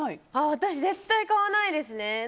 私、絶対買わないですね。